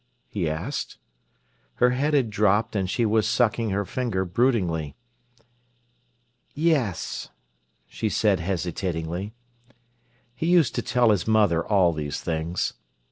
he asked. Her head had dropped, and she was sucking her finger broodingly. "Yes," she said hesitatingly. He used to tell his mother all these things.